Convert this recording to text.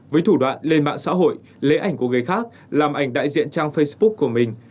với thủ đoạn lên mạng xã hội lấy ảnh của người khác làm ảnh đại diện trang facebook của mình